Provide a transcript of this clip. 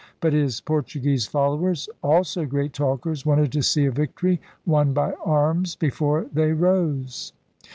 But his Por tuguese followers, also great talkers, wanted to see a victory won by arms before they rose.